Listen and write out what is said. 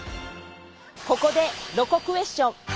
ここでロコクエスチョン！